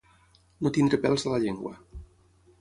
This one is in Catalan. No tenir pèls a la llengua.